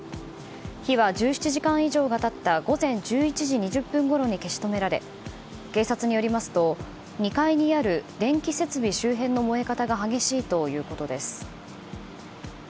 火は、１７時間以上が経った午前１１時２０分ごろに消し止められ、警察によりますと２階にある電気設備周辺の燃え方が激しいということです。